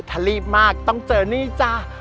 ถ้ารีบมากต้องเจอนี่จ้ะ